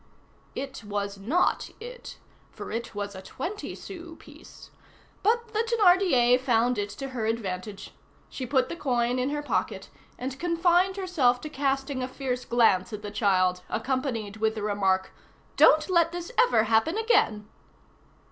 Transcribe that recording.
It was not it, for it was a twenty sou piece; but the Thénardier found it to her advantage. She put the coin in her pocket, and confined herself to casting a fierce glance at the child, accompanied with the remark, "Don't let this ever happen again!"